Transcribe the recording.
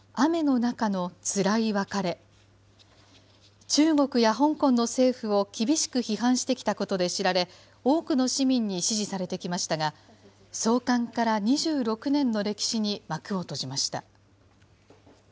中国や香港の政府を厳しく批判してきたことで知られ、多くの市民に支持されてきましたが、創刊から２６年の歴史に幕を閉じました。